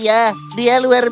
iya dia luar biasa